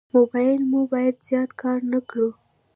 موبایل مو باید زیات کار نه کړو.